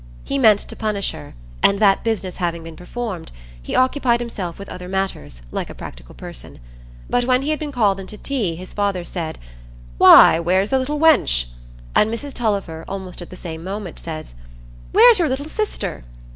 He meant to punish her, and that business having been performed, he occupied himself with other matters, like a practical person. But when he had been called in to tea, his father said, "Why, where's the little wench?" and Mrs Tulliver, almost at the same moment, said, "Where's your little sister?"